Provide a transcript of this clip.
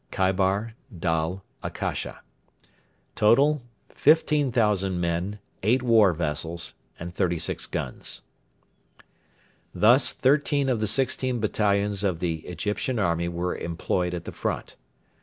Kaibar, Dal, Akasha Total: 15,000 men, 8 war vessels, and 36 guns Thus thirteen of the sixteen battalions of the Egyptian Army were employed at the front.